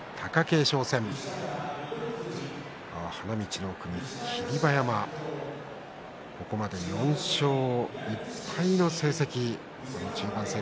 花道の奥に霧馬山ここまで４勝１敗の成績。